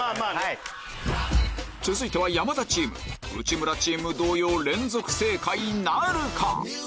続いては内村チーム同様連続正解なるか？